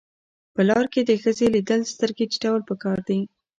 په لار کې د ښځې لیدل سترګې ټیټول پکار دي.